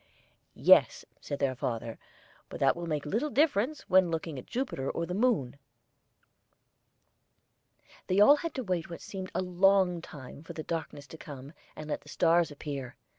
"Yes," said their father, "but that will make little difference when looking at Jupiter or the moon." They all had to wait what seemed a long time for the darkness to come, and let the stars appear.